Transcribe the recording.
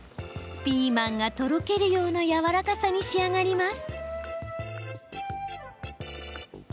ピーマンがとろけるようなやわらかさに仕上がります。